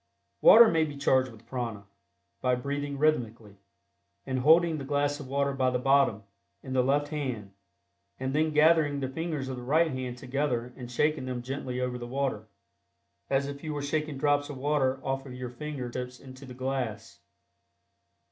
Water may be charged with prana, by breathing rhythmically, and holding the glass of water by the bottom, in the left hand, and then gathering the fingers of the right hand together and shaking them gently over the water, as if you were shaking drops of water off of your finger tips into the glass.